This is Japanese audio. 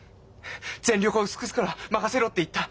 「全力を尽くすから任せろ」って言った。